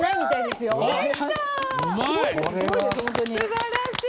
すばらしい！